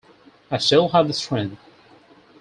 I still had the strength.